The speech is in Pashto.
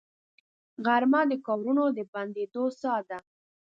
غرمه د کارونو د بندېدو ساه ده